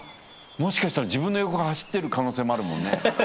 もしかしたら自分の横走ってる可能性もあるもんね。